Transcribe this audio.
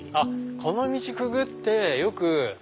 この道くぐってよく。